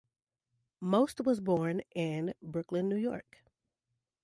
Most was born in Brooklyn, New York.